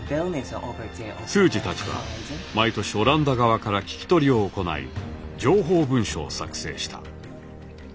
通詞たちは毎年オランダ側から聞き取りを行い情報文書を作成した。